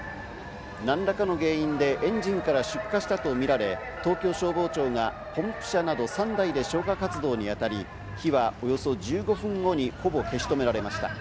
何らかの原因でエンジンから出火したとみられ、東京消防庁がポンプ車など３台で消火活動にあたり、火はおよそ１５分後にほぼ消し止められました。